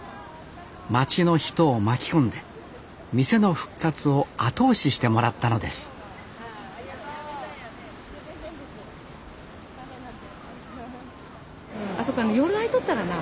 町の人を巻き込んで店の復活を後押ししてもらったのですあそこ夜開いとったらなあ。